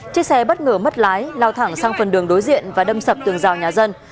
chiếc xe bất ngờ mất lái lao thẳng sang phần đường đối diện và đâm sập tường rào nhà dân